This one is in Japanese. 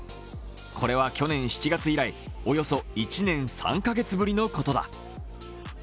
これは去年７月以来、およそ１年３カ月ぶりのことだ。